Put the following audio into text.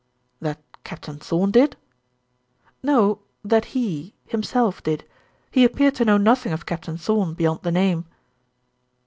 "That Captain Thorn did?" "No that he, himself did. He appeared to know nothing of Captain Thorn, beyond the name."